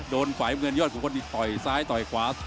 โดนฝ่ายเมืองย่อดทุกคนที่ต่อยซ้ายต่อยขวา